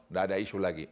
nggak ada isu lagi